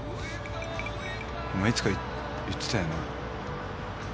お前いつか言ってたよな。